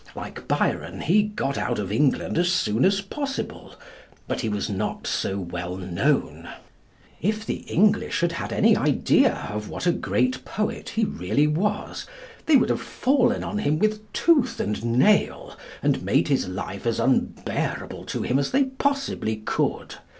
Like Byron, he got out of England as soon as possible. But he was not so well known. If the English had had any idea of what a great poet he really was, they would have fallen on him with tooth and nail, and made his life as unbearable to him as they possibly could.